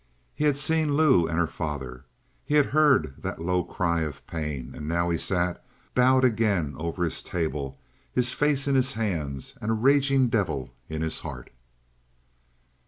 He had seen Lou and her father: he had heard that low cry of pain; and now he sat bowed again over his table, his face in his hands and a raging devil in his heart.